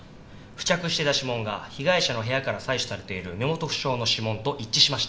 付着してた指紋が被害者の部屋から採取されている身元不詳の指紋と一致しました。